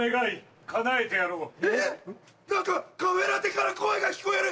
えっ⁉何かカフェラテから声が聞こえる。